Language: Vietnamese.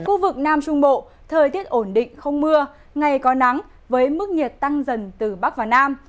khu vực nam trung bộ thời tiết ổn định không mưa ngày có nắng với mức nhiệt tăng dần từ bắc vào nam